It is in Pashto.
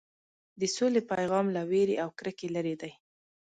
د سولې پیغام له وېرې او کرکې لرې دی.